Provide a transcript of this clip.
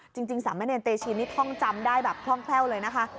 จริงสามเณรเตชินนี่ท่องจำได้แบบคล่องแคล่วเลยนะคะ